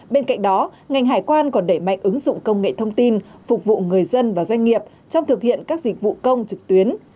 bên cạnh đó ngành hải quan còn đẩy mạnh ứng dụng công nghệ thông tin phục vụ người dân và doanh nghiệp trong thực hiện các dịch vụ công trực tuyến